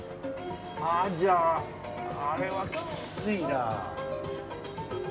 じゃああれはきついな。